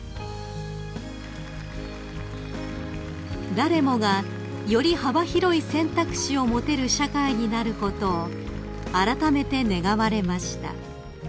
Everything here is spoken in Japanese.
［誰もがより幅広い選択肢を持てる社会になることをあらためて願われました］